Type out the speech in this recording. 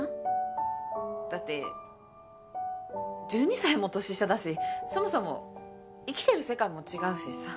だって１２歳も年下だしそもそも生きてる世界も違うしさ。